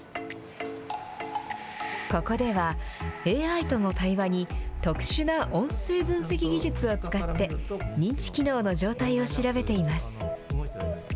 ここでは、ＡＩとの対話に特殊な音声分析技術を使って、認知機能の状態を調べています。